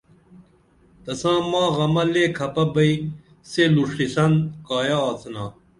تساں ماں غمہ لے کھپہ بئی سے لُوشِسن کایہ آڅِنا